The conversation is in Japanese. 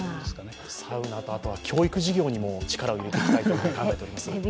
サウナと教育事業にも力を入れていこうと思います。